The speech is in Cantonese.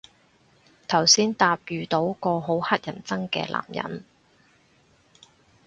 頭先搭遇到個好乞人憎嘅男人